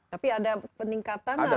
tapi ada peningkatan atau